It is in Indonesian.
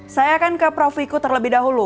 saya akan ke prof wiku terlebih dahulu